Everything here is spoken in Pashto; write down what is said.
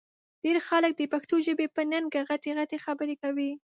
ډېر خلک د پښتو ژبې په ننګه غټې غټې خبرې کوي